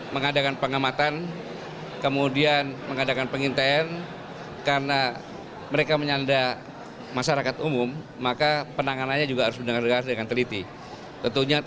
meskipun ada kabar bahwa pada jumat lalu